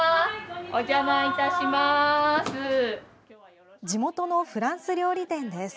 お邪魔いたします。